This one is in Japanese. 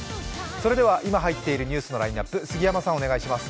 それでは今、入っているニュースのラインナップ、杉山さんお願いします。